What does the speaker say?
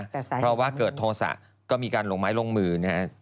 เพราะว่าเกิดโทษะก็มีการลงไม้ลงมือนะฮะ